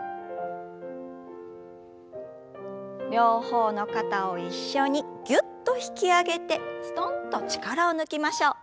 両方の肩を一緒にぎゅっと引き上げてすとんと力を抜きましょう。